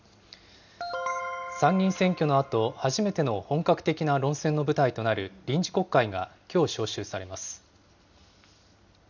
参議院選挙のあと、初めての本格的な論戦の舞台となる臨時国会が、きょう召集されます。